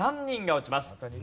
３人が落ちます。